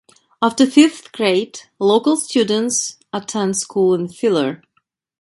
After fifth grade, local students attend school in Filer.